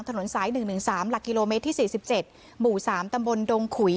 ถนนสายหนึ่งหนึ่งสามหลักกิโลเมตรที่สี่สิบเจ็ดหมู่สามตำบลดงขุย